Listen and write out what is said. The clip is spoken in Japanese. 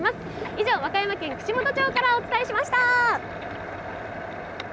以上、和歌山県串本町からお伝えしました。